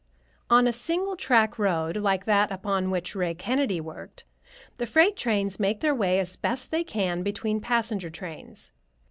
On a single track road, like that upon which Ray Kennedy worked, the freight trains make their way as best they can between passenger trains.